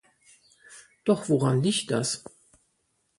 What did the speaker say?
Doch woran liegt das?